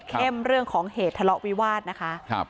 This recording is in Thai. เรื่องของเหตุทะเลาะวิวาสนะคะ